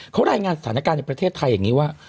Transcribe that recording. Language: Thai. เขารายงานสถานการณ์ในประเทศไทยอย่างนี้ว่า